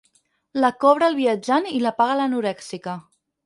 La cobra el viatjant i la paga l'anorèxica.